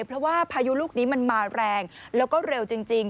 เพราะว่าพายุลูกนี้มันมาแรงแล้วก็เร็วจริง